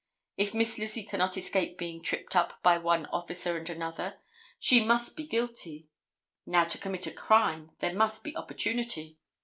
If Miss Lizzie cannot escape being tripped up by one officer and another, she must be guilty. Now, to commit a crime there must be opportunity.